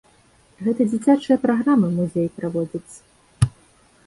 Гэта дзіцячыя праграмы музей праводзіць.